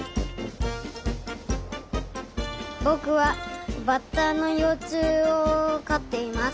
ぼくはバッタのようちゅうをかっています。